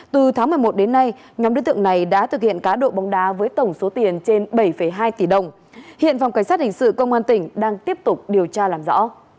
từ tháng một mươi một đến nay nhóm đối tượng này đã thực hiện cá độ bóng đá với tổng số tiền trên bảy hai tỷ đồng hiện phòng cảnh sát hình sự công an tỉnh đang tiếp tục điều tra làm rõ